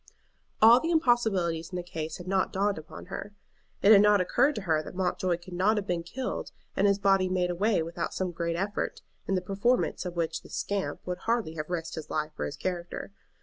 All the impossibilities in the case had not dawned upon her. It had not occurred to her that Mountjoy could not have been killed and his body made away with without some great effort, in the performance of which the "scamp" would hardly have risked his life or his character.